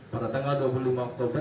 pada tanggal dua puluh lima oktober